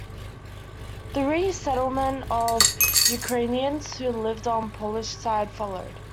The resettlement of Ukrainians who lived on the Polish side followed.